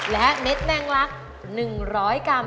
และเม็ดแมงลัก๑๐๐กรัม